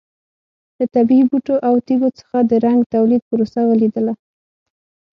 د طبیعي بوټو او تېږو څخه د رنګ تولید پروسه ولیدله.